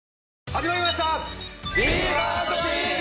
始まりました！